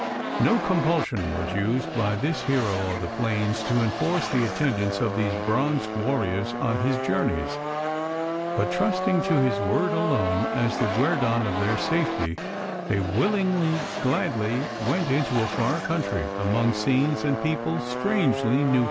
No compulsion was used by this hero of the plains to enforce the attendance of these bronzed warriors on his journeys; but trusting to his word alone as the guerdon of their safety, they willingly, gladly, went into a far country among scenes and people strangely new to them.